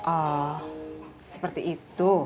oh seperti itu